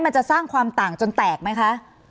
มันจะสร้างความต่างจนแตกไหมคะ